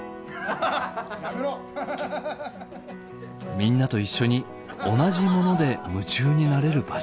みんなと一緒に同じもので夢中になれる場所。